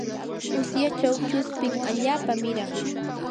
usyachaw chuspin allaapa miran.